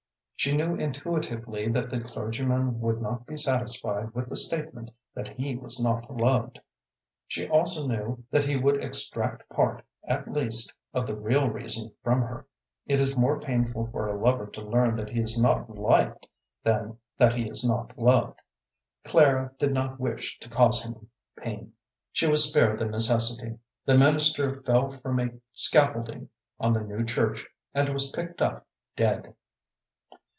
She knew intuitively that the clergyman would not be satisfied with the statement that he was not loved. She also knew that he would extract part, at least, of the real reason from her. It is more painful for a lover to learn that he is not liked than that he is not loved. Clara did not wish to cause him pain. She was spared the necessity. The minister fell from a scaffolding on the new church and was picked up dead.